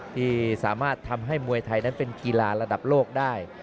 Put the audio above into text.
ที่สามารถทำให้มวยไทยนั้นเป็นกีฬาระดับโลกได้